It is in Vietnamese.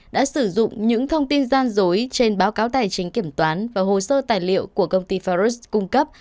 đã sử dụng những thông tin gian dối trên báo cáo tài chính kiểm toán và hồ sơ tài liệu của công ty faros cung cấp